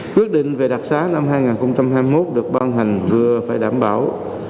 quyết định về đặc xá năm hai nghìn hai mươi một được ban hành vừa phải đảm bảo